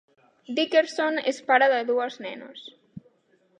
Dickerson és pare de dues nenes.